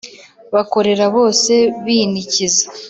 Bakorera bose binikiza